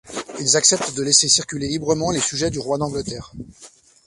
Ils acceptent de laisser circuler librement les sujets du roi d'Angleterre.